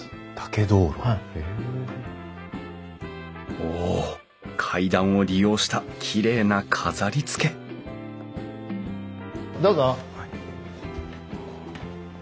お階段を利用したきれいな飾りつけどうぞ。